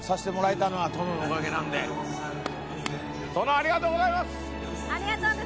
ありがとうございます！